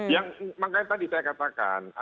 yang makanya tadi saya katakan